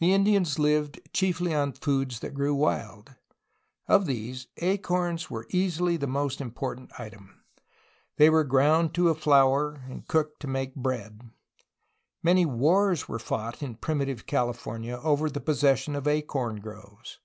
The Indians lived chiefly on foods that grew wild. Of these, acorns were easily THE INDIANS 15 the most important item. They were ground to a flour and cooked to make bread. Many wars were fought in primitive California over the possession of acorn groves.